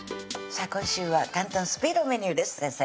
さぁ今週は「簡単スピードメニュー」です先生